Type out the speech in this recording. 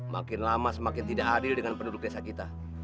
makin lama semakin tidak adil dengan penduduk desa kita